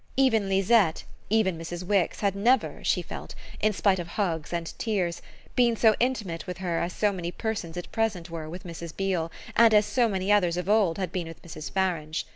Even Lisette, even Mrs. Wix had never, she felt, in spite of hugs and tears, been so intimate with her as so many persons at present were with Mrs. Beale and as so many others of old had been with Mrs. Farange.